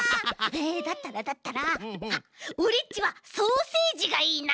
だったらだったらあっオレっちはソーセージがいいな。